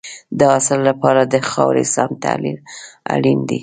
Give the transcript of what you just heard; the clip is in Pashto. د حاصل لپاره د خاورې سم تحلیل اړین دی.